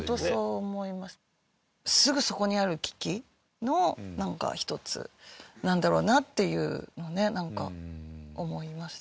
すぐそこにある危機の１つなんだろうなっていうのはなんか思いましたけどね。